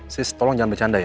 sis tolong jangan bercanda ya